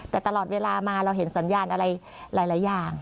แต่ตลอดเวลามาเราเห็นสัญญาณอะไรหลายอย่าง